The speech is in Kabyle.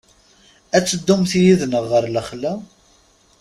Ad teddumt yid-neɣ ɣer lexla?